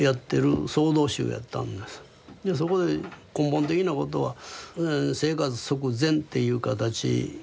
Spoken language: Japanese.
でそこで根本的なことは生活即禅っていう形。